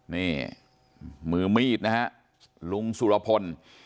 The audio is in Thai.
นี่มือมีดนะฮะลุงสุรพล